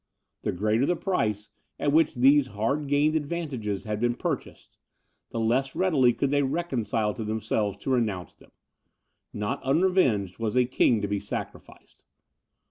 The greater the price, at which these hard gained advantages had been purchased, the less readily could they reconcile themselves to renounce them: not unrevenged was a king to be sacrificed.